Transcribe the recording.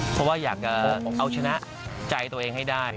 เพราะว่าอยากจะเอาชนะใจตัวเองให้ได้